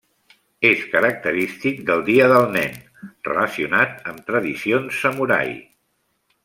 És característic del Dia del Nen, relacionat amb tradicions samurai.